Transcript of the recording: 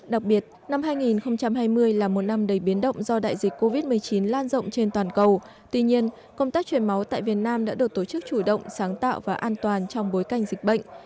đặc biệt năm hai nghìn hai mươi là một năm đầy biến động do đại dịch covid một mươi chín lan rộng trên toàn cầu tuy nhiên công tác chuyển máu tại việt nam đã được tổ chức chủ động sáng tạo và an toàn trong bối cảnh dịch bệnh